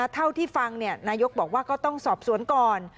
เท่าที่ฟังนายกบอกว่าก็ต้องสอบสวนก่อน